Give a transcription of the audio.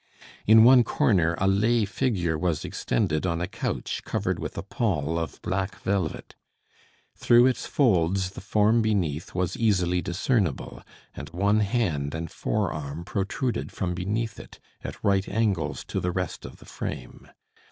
In one corner a lay figure was extended on a couch, covered with a pall of black velvet. Through its folds, the form beneath was easily discernible; and one hand and forearm protruded from beneath it, at right angles to the rest of the frame.